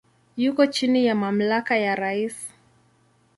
Yuko chini ya mamlaka ya rais.